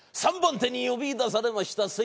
３番手に呼びいだされました